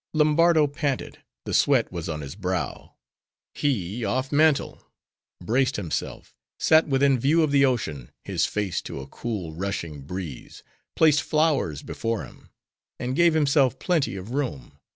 Lombardo panted; the sweat was on his brow; he off mantle; braced himself; sat within view of the ocean; his face to a cool rushing breeze; placed flowers before him; and gave himself plenty of room.